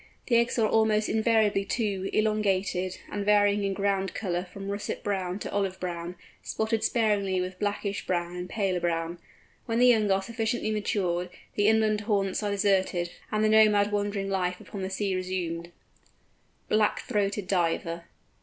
The eggs are almost invariably two, elongated, and varying in ground colour from russet brown to olive brown, spotted sparingly with blackish brown and paler brown. When the young are sufficiently matured, the inland haunts are deserted, and the nomad wandering life upon the sea resumed. BLACK THROATED DIVER.